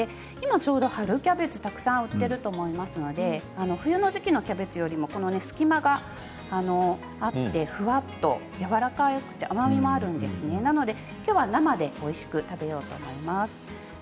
ちょうど今、春キャベツがたくさん出ていると思いますので冬の時期のキャベツよりも隙間があってふわっとやわらかくて甘みがありますのできょうは生でおいしく食べようと思います。